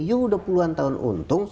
yuh dua puluh an tahun untung